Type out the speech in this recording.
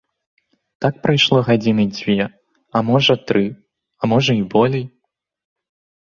Так прайшло гадзіны дзве, а можа тры, а можа і болей.